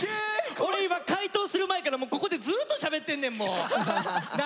俺今解答する前からここでずっとしゃべってんねんもう！なあ！